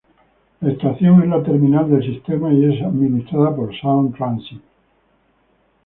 La estación es la terminal del sistema y es administrada por Sound Transit.